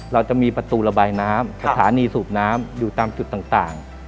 เราจะมีประตูระบายน้ำสถานีสูบน้ำอยู่ตามจุดต่าง